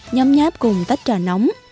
nhâm nháp cùng tách trà nóng